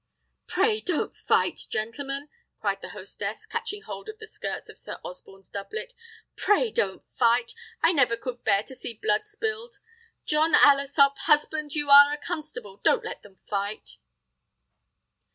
"Pray don't fight, gentlemen!" cried the hostess, catching hold of the skirt of Sir Osborne's doublet. "Pray don't fight! I never could bear to see blood spilled. John Alesop! Husband! you are a constable; don't let them fight!"